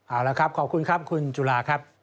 เอาละครับขอบคุณครับคุณจุฬาครับ